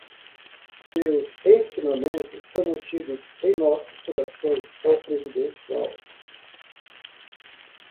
Seus ensinamentos são mantidos em nossos corações, ó Presidente Mao